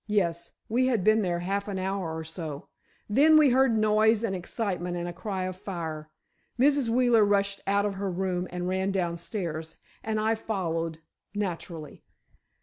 "Yes; we had been there half an hour or so. Then, we heard noise and excitement and a cry of fire. Mrs. Wheeler rushed out of her room and ran downstairs—and I followed, naturally."